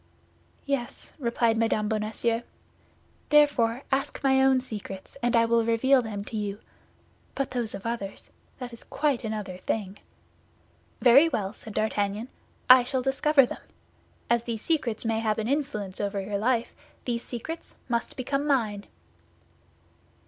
"Yes," replied Mme. Bonacieux; "therefore, ask my own secrets, and I will reveal them to you; but those of others—that is quite another thing." "Very well," said D'Artagnan, "I shall discover them; as these secrets may have an influence over your life, these secrets must become mine."